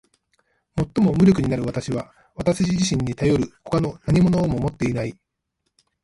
最も無力なる私は私自身にたよる外の何物をも持っていない。